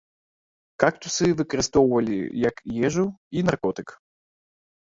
Кактусы выкарыстоўвалі як ежу і наркотык.